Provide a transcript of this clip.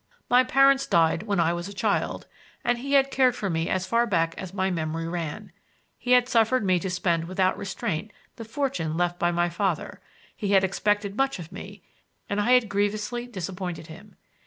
My parents died when I was a child, and he had cared for me as far back as my memory ran. He had suffered me to spend without restraint the fortune left by my father; he had expected much of me, and I had grievously disappointed him.